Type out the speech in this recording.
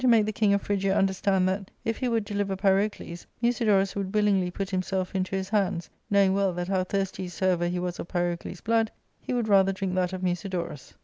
155 make the king of Phrygia understand that, if he would deliver Pyrocles, Musidorus would willingly put himself into his hands, knowing well that how thirsty soever he was of Pyrocles' blood, he would rather drink that of Musidorus.